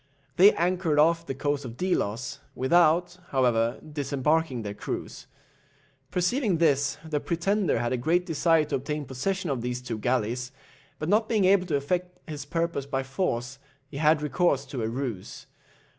They anchored off the coast of Delos, without, however, disembarking their crews. Perceiving this, the pretender had a great desire to obtain possession of these two galleys, but not being able to effect his purpose by force, he had recourse to a ruse.